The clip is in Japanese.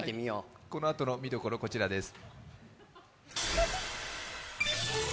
このあとの見どころ、こちらです。